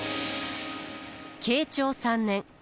慶長３年。